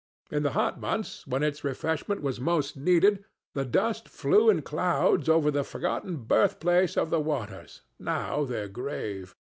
In the hot months, when its refreshment was most needed, the dust flew in clouds over the forgotten birthplace of the waters, now their grave.